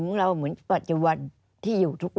อันดับ๖๓๕จัดใช้วิจิตร